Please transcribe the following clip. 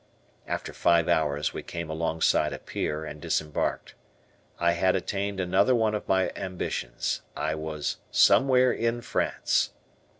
After five hours we came alongside a pier and disembarked. I had attained another one of my ambitions. I was "somewhere in France."